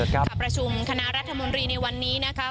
การประชุมคณะรัฐมนตรีในวันนี้นะคะ